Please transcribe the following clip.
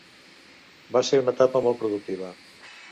Va ser una etapa molt productiva.